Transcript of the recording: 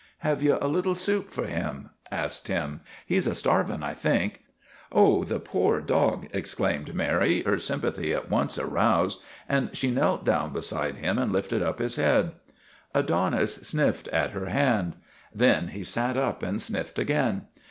"Have you a little soup for him?' asked Tim. "He's starvin', I think." " Oh, the poor dog !' exclaimed Mary, her sympathy at once aroused, and she knelt down be side him and lifted up his head. Adonis sniffed at her hand. Then he sat up and sniffed again.